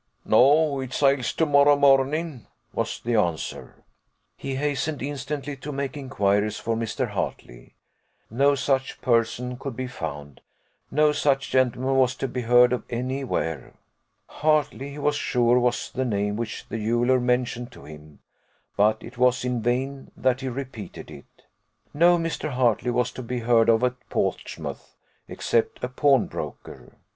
"No: it sails to morrow morning," was the answer. He hastened instantly to make inquiries for Mr. Hartley. No such person could be found, no such gentleman was to be heard of any where. Hartley, he was sure, was the name which the jeweller mentioned to him, but it was in vain that he repeated it; no Mr. Hartley was to be heard of at Portsmouth, except a pawnbroker.